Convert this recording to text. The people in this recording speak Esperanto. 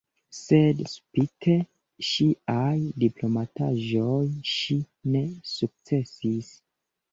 Sed spite ŝiaj diplomataĵoj ŝi ne sukcesis.